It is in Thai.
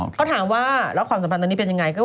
เขาถามว่าหรือผ่านตรงนี้เป็นยังไง